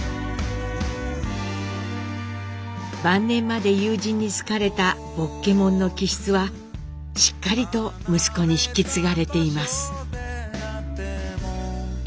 晩年まで友人に好かれた「ぼっけもん」の気質はしっかりと息子に引き継がれています。